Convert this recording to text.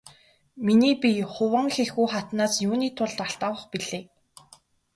Миний бие Хуванхэхү хатнаас юуны тулд алт авах билээ?